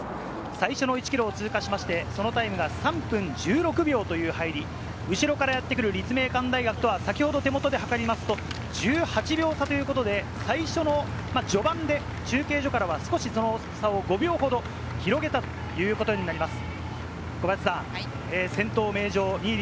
最初の１ｋｍを通過しまして、そのタイムが３分１６秒という入り、後ろからやってくる立命館大学とは先ほど手元で測りますと１８秒差ということで、最初の序盤で中継所からは差を５秒ほど広げたということになります。